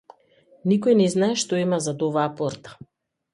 Никој не знае што има зад оваа порта.